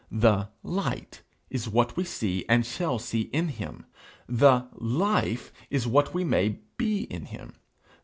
The light is what we see and shall see in him; the life is what we may be in him.